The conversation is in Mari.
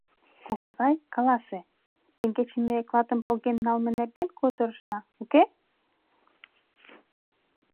— Кугызай, каласе: теҥгече ме клатым поген налме нерген кутырышна, уке?